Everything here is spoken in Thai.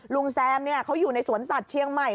แซมเขาอยู่ในสวนสัตว์เชียงใหม่